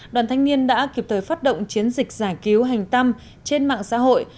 đoàn thanh niên đã kịp thời phát động chiến dịch giải cứu hành tâm trên mạng xã hội